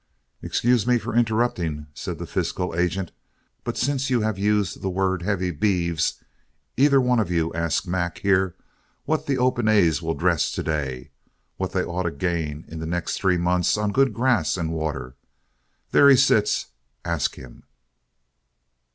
"Excuse me for interrupting," said the fiscal agent, "but since you have used the words HEAVY BEEVES, either one of you ask Mac, here, what those 'Open A's' will dress to day, and what they ought to gain in the next three months on good grass and water. There he sits; ask him."